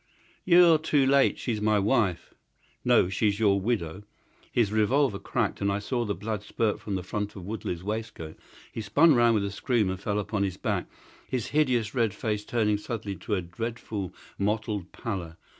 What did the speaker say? "You're too late. She's my wife!" "No, she's your widow." His revolver cracked, and I saw the blood spurt from the front of Woodley's waistcoat. He spun round with a scream and fell upon his back, his hideous red face turning suddenly to a dreadful mottled pallor.